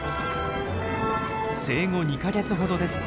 生後２か月ほどです。